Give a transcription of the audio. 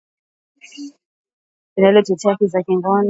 linalotetea haki za kingono za walio wachache likilishutumu kwa kufanya kazi